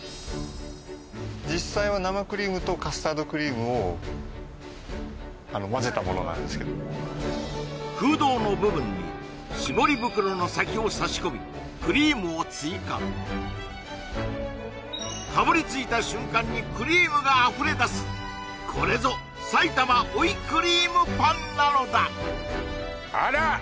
実際は生クリームとカスタードクリームをまぜたものなんですけど空洞の部分にしぼり袋の先を差し込みクリームを追加かぶりついた瞬間にクリームがあふれ出すこれぞ埼玉追いクリームパンなのだあら！